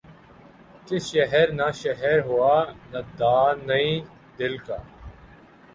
کس شہر نہ شہرہ ہوا نادانئ دل کا